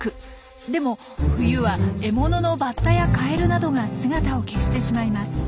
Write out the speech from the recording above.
でも冬は獲物のバッタやカエルなどが姿を消してしまいます。